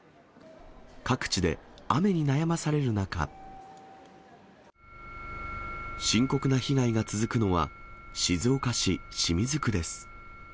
各地で雨に悩まされる中、深刻な被害が続くのは、静岡市清水区です。